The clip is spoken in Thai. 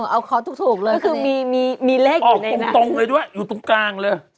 เอาขอถูกเลยก็คือมีเลขออกตรงเลยด้วยอยู่ตรงกลางเลย